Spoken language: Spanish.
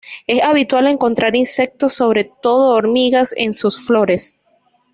Es habitual encontrar insectos, sobre todo hormigas, en sus flores.